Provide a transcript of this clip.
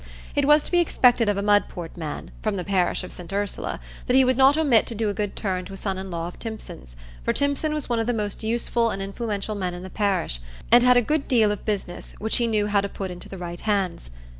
It was to be expected of a Mudport man, from the parish of St Ursula, that he would not omit to do a good turn to a son in law of Timpson's, for Timpson was one of the most useful and influential men in the parish, and had a good deal of business, which he knew how to put into the right hands.